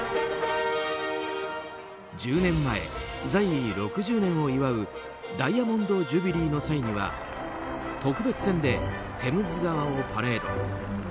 １０年前、在位６０年を祝うダイヤモンド・ジュビリーの際には特別船でテムズ川をパレード。